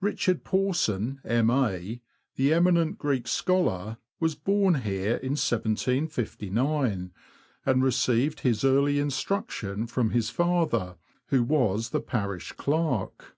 Richard Porson, M.A., the emi nent Greek scholar, was born here in 1759, and received his early instruction from his father, who was the parish clerk.